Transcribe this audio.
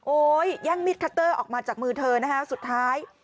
แย่งมิดคัตเตอร์ออกมาจากมือเธอนะคะสุดท้าย